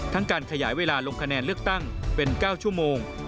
การขยายเวลาลงคะแนนเลือกตั้งเป็น๙ชั่วโมง